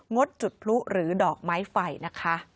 ดจุดพลุหรือดอกไม้ไฟนะคะ